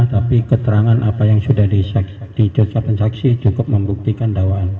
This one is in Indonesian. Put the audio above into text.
tapi keterangan apa yang sudah ditetapkan saksi cukup membuktikan dakwaan